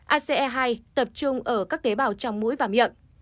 ase hai tập trung ở các tế bào trong mũi và miệng